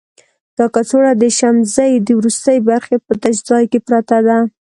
دا کڅوړه د شمزۍ د وروستي برخې په تش ځای کې پرته ده.